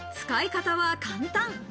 使い方は簡単。